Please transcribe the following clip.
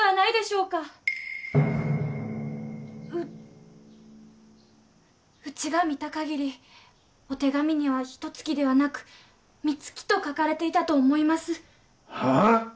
うッうちが見たかぎりお手紙にはひと月ではなく三月と書かれていたと思いますはあ！？